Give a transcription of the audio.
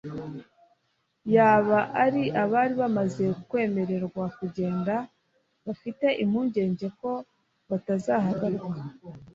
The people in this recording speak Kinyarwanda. yaba ari abari bamaze kwemererwa kugenda bafite impungenge ko batazahaguruka